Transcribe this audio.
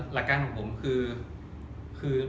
หลักการของผมคือ